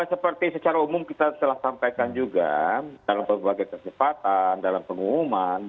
seperti secara umum kita telah sampaikan juga dalam berbagai kesempatan dalam pengumuman